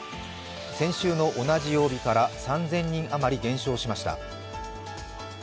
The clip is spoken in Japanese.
先週の同じ曜日から３０００人余り減少しました。